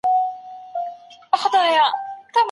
موږ بايد د سياست په اړه د علمي حقايقو خبر سو.